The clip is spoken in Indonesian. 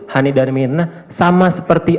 hani dan mirna sama seperti